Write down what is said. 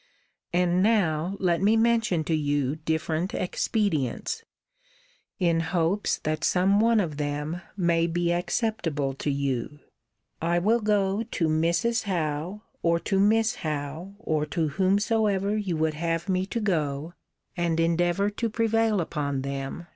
And now let me mention to you different expedients; in hopes that some one of them may be acceptable to you. 'I will go to Mrs. Howe, or to Miss Howe, or to whomsoever you would have me to go, and endeavour to prevail upon them to receive you.